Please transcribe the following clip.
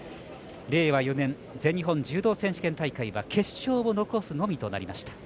令和４年全日本柔道選手権大会は決勝を残すのみとなりました。